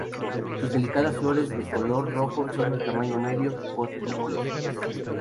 Sus delicadas flores de color rojo son de tamaño medio, corte completo.